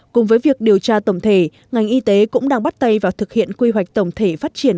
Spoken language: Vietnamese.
cùng với việc điều tra tổng thể ngành y tế cũng đang bắt tay vào thực hiện quy hoạch tổng thể phát triển